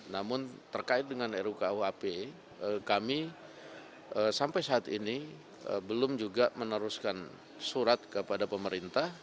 namun terkait dengan rukuhp kami sampai saat ini belum juga meneruskan surat kepada pemerintah